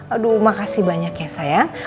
aduh makasih banyak ya saya